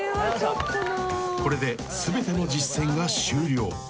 ［これで全ての実践が終了］